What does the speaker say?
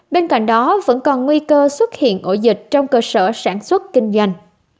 bên cạnh đó vẫn còn nguy cơ xuất hiện ổ dịch trong cơ sở sản xuất kinh doanh